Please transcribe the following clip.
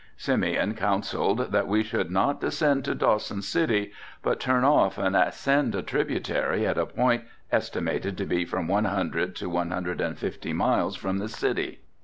Simeon counselled that we should not descend to Dawson City, but turn off and ascend a tributary at a point estimated to be from one hundred to one hundred and fifty miles from the city.